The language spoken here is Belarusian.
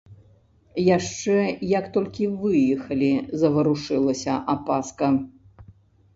Яшчэ як толькі выехалі, заварушылася апаска.